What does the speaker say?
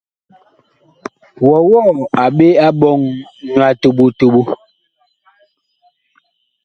Wɔwɔɔ a ɓe a ɓɔŋ nyu a toɓo toɓo ?